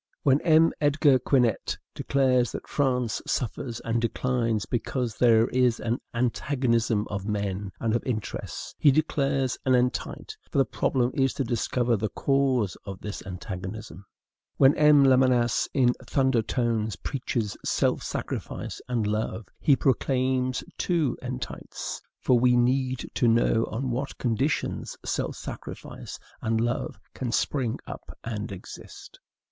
When M. Edgar Quinet declares that France suffers and declines because there is an ANTAGONISM of men and of interests, he declares an entite; for the problem is to discover the cause of this antagonism. When M. Lamennais, in thunder tones, preaches self sacrifice and love, he proclaims two entites; for we need to know on what conditions self sacrifice and love can spring up and exist.